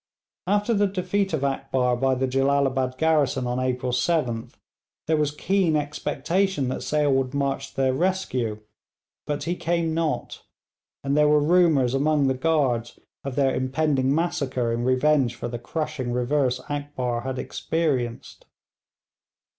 After the defeat of Akbar by the Jellalabad garrison on April 7th, there was keen expectation that Sale would march to their rescue, but he came not, and there were rumours among the guards of their impending massacre in revenge for the crushing reverse Akbar had experienced.